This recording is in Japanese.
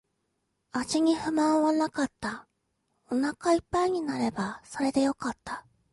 味に不満はなかった。お腹一杯になればそれでよかった。